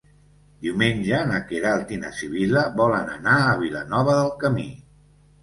Diumenge na Queralt i na Sibil·la volen anar a Vilanova del Camí.